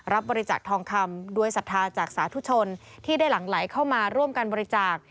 รับบริจาคทองคำด้วยศรัทธาจากสาธุชนที่ได้หลั่งไหลเข้ามาร่วมกันบริจาค